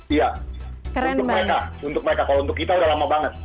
iya untuk mereka kalau untuk kita udah lama banget